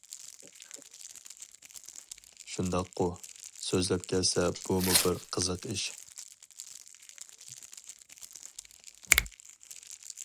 شۇنداققۇ؟ سۆزلەپ كەلسە بۇمۇ بىر قىزىق ئىش.